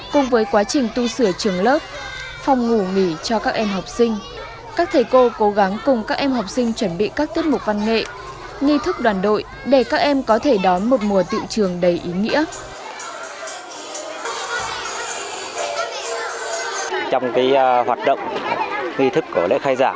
cùng với quá trình tu sửa trường lớp phòng ngủ nghỉ cho các em học sinh các thầy cô cố gắng cùng các em học sinh chuẩn bị các tiết mục văn nghệ nghi thức đoàn đội để các em có thể đón một mùa tiệu trường đầy ý nghĩa